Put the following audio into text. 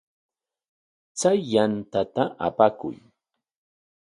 Chay yantata apakuy.